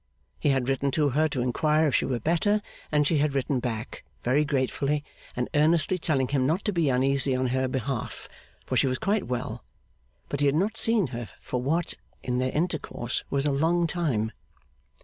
He had written to her to inquire if she were better, and she had written back, very gratefully and earnestly telling him not to be uneasy on her behalf, for she was quite well; but he had not seen her, for what, in their intercourse, was a long time.